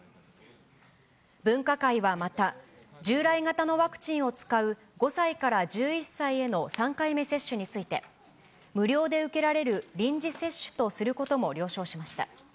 分科会はまた、従来型のワクチンを使う５歳から１１歳への３回目接種について、無料で受けられる臨時接種とすることも了承しました。